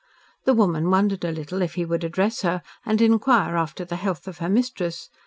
The woman wondered a little if he would address her, and inquire after the health of her mistress.